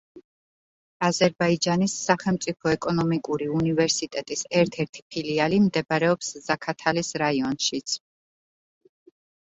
აზერბაიჯანის სახელმწიფო ეკონომიკური უნივერსიტეტის ერთ-ერთი ფილიალი მდებარეობს ზაქათალის რაიონშიც.